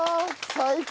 最高！